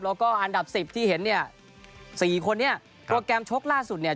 แล้วก็อันดับสิบที่เห็นเนี่ยสี่คนนี้โปรแกรมชกล่าสุดเนี่ย